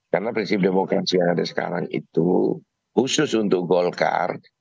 karena prinsip demokrasi yang ada sekarang itu khusus untuk golkar